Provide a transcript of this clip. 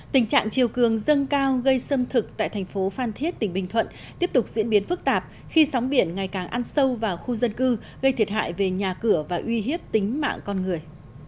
tình trạng chiều cường dâng cao gây xâm thực tại thành phố phan thiết tỉnh bình thuận tiếp tục diễn biến phức tạp khi sóng biển ngày càng ăn sâu vào khu dân cư gây thiệt hại về nhà cửa và uy hiếp tính mạng con người